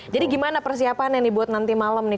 jadi gimana persiapannya nih buat nanti malam nih